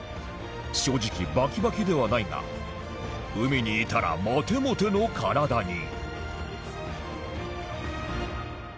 正直バキバキではないが海にいたらモテモテの体に